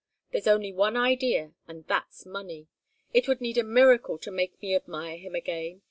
There's only one idea, and that's money. It would need a miracle to make me admire him again.